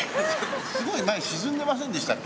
すごい、前、沈んでませんでしたっけ？